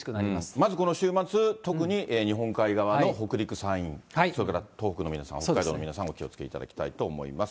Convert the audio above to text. まずこの週末、特に日本海側の北陸、山陰、それから東北の皆さん、北海道の皆さん、お気をつけいただきたいと思います。